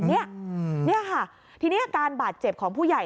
นี่ค่ะทีนี้อาการบาดเจ็บของผู้ใหญ่